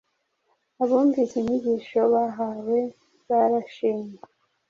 Abumvise inyigisho bahawe barashimwe,